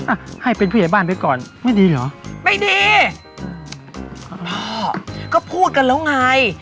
อ่ะให้เป็นผู้ใหญ่บ้านไปก่อนไม่ดีเหรอไม่ดีพ่อก็พูดกันแล้วไง